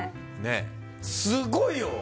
すごいよ！